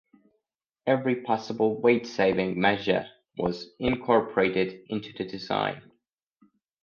Every possible weight-saving measure was incorporated into the design.